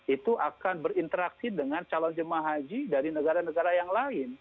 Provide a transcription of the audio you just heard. itu akan berinteraksi dengan calon jemaah haji dari negara negara yang lain